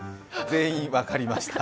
全員、分かりました。